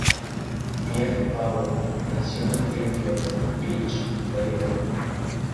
Pierre-Paul nació en Deerfield Beach, Florida.